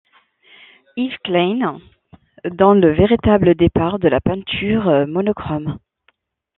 Yves Klein donne le véritable départ de la peinture monochrome.